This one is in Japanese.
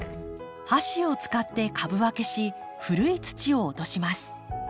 箸を使って株分けし古い土を落とします。